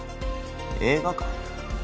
映画館？